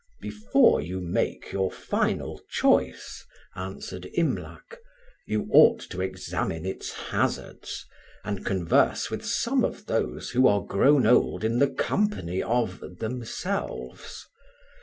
"Before you make your final choice," answered Imlac, "you ought to examine its hazards, and converse with some of those who are grown old in the company of themselves.